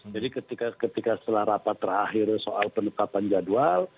jadi ketika setelah rapat terakhir soal penekapan jadwal